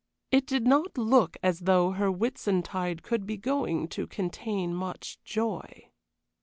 It did not look as though her Whitsuntide could be going to contain much joy.